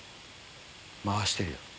回してるよ